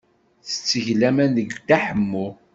Tetteg laman deg Dda Ḥemmu.